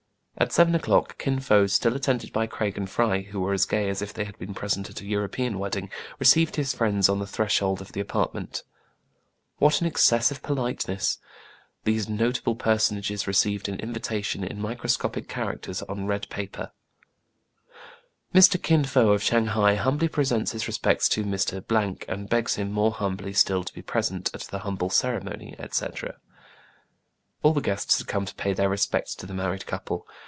At seven o'clock Kin Fo, still attended by Craig and Fry, who were as gay as if they had been present at a European wedding, received his friends on the threshold of the apartment. What an excess of politeness ! These notable personages received an invitation in microscopic characters on red paper :—Mr. Kin Fo of Shang hai humbly presents his respects to Mr. , and begs him more humbly still to be present at the humble ceremony," etc. All the guests had come to pay their respects to the married couple.